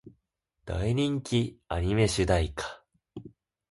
大人気アニメ主題歌